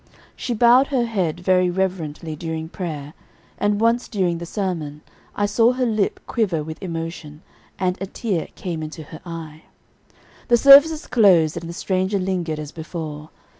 She bowed her head very reverently during prayer, and once during the sermon I saw her lip quiver with emotion, and a tear came into her eye. The services closed, and the stranger lingered as before.